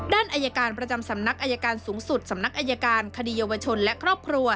อายการประจำสำนักอายการสูงสุดสำนักอายการคดีเยาวชนและครอบครัว